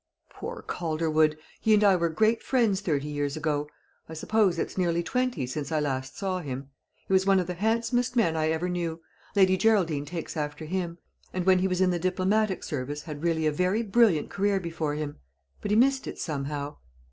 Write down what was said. "Poor Calderwood! He and I were great friends thirty years ago. I suppose it's nearly twenty since I last saw him. He was one of the handsomest men I ever knew Lady Geraldine takes after him and when he was in the diplomatic service had really a very brilliant career before him; but he missed it somehow.